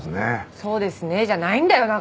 「そうですね」じゃないんだよ仲井戸さん！